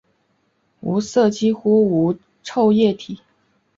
无色几乎无臭液体。